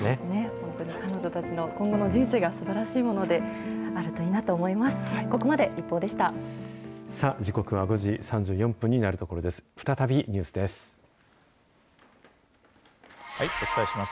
本当に彼女たちの今後の人生がすばらしいものであるといいなと思います。